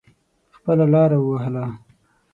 خپله لاره وهله.